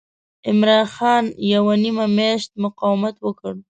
عمرا خان یوه نیمه میاشت مقاومت وکړ.